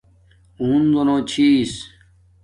او ہنزو نو چھس